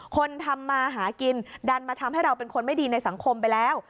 คนทำมาหากินดันมาทำให้เราเป็นคนไม่ดีในสังคมไปแล้ว